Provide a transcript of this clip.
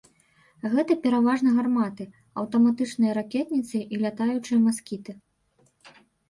Гэта пераважна гарматы, аўтаматычныя ракетніцы і лятаючыя маскіты.